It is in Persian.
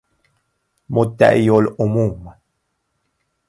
مدعی العموم